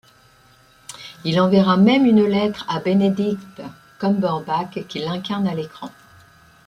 Il enverra même une lettre à Benedict Cumberbatch, qui l'incarne à l'écran.